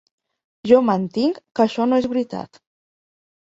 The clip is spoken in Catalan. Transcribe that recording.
Jo mantinc que això no és veritat.